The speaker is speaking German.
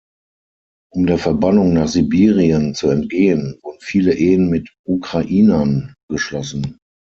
Um der Verbannung nach Sibirien zu entgehen, wurden viele Ehen mit Ukrainern geschlossen.